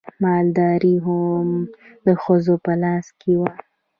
مالداري هم د ښځو په لاس کې وه.